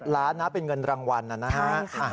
ล้านนะเป็นเงินรางวัลนะฮะ